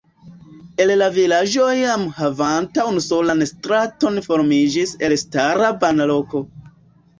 El la vilaĝo iam havanta unusolan straton formiĝis elstara banloko.